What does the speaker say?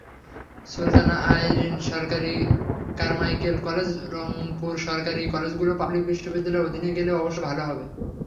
সুলতানা আইরিনসরকারি Carmichael college, রংপুরসরকারি কলেজগুলো পাবলিক বিশ্ববিদ্যালয়ের অধীনে গেলে অবশ্যই ভালো হবে।